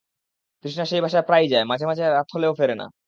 তৃষ্ণা সেই বাসায় প্রায়ই যায়, মাঝে মাঝে রাতে হলেও ফেরে না।